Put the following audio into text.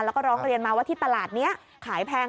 แล้วก็ร้องเรียนมาว่าที่ตลาดนี้ขายแพง